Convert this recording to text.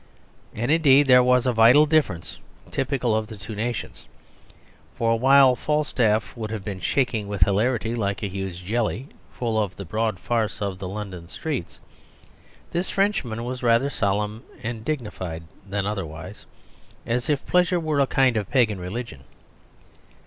And, indeed, there was a vital difference, typical of two nations. For while Falstaff would have been shaking with hilarity like a huge jelly, full of the broad farce of the London streets, this Frenchman was rather solemn and dignified than otherwise as if pleasure were a kind of pagan religion.